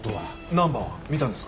ナンバーは見たんですか？